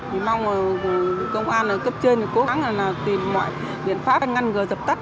mình mong công an cấp trên cố gắng tìm mọi biện pháp ngăn ngừa dập tắt